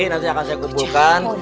nanti akan saya kumpulkan